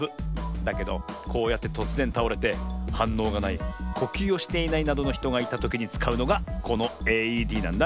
だけどこうやってとつぜんたおれてはんのうがないこきゅうをしていないなどのひとがいたときにつかうのがこのＡＥＤなんだ。